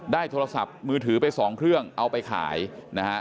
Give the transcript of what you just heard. โทรศัพท์มือถือไปสองเครื่องเอาไปขายนะฮะ